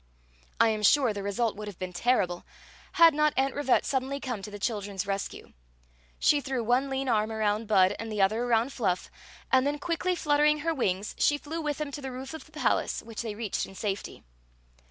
I am sure the result would have been terrible had not Aunt Rivette suddenly come to the children's rescue. She threw one lean arm around Bud and 2$6 Qu^n Zixi Ix; tt^ the other around Fluff, and then, quickly fluttering her wings, she flew with them to the roof of the palace, which they reached in safety.